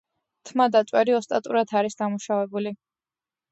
თმა და წვერი ოსტატურად არის დამუშავებული.